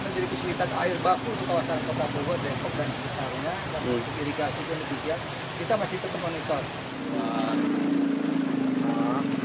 selain pasir apa lagi yang bisa diambil